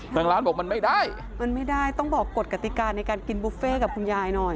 ทางร้านบอกมันไม่ได้มันไม่ได้ต้องบอกกฎกติกาในการกินบุฟเฟ่กับคุณยายหน่อย